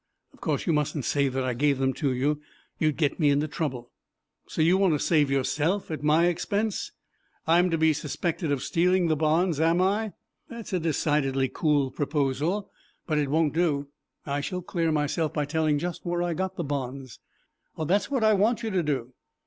"Of course you mustn't say that I gave them to you. You would get me into trouble." "So you want to save yourself at my expense? I am to be suspected of stealing the bonds, am I? That's a decidedly cool proposal, but it won't do. I shall clear myself, by telling just where I got the bonds." "That's what I want you to do."